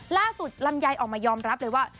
ล่าสุดลำไยออกมายอมรับเลยว่า